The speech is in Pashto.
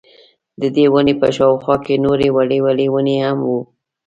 ددې وني په شاوخوا کي نوري وړې وړې وني هم وې